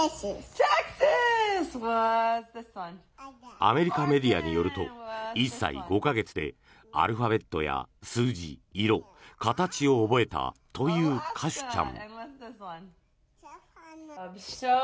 アメリカメディアによると１歳５か月でアルファベットや数字、色形を覚えたというカシュちゃん。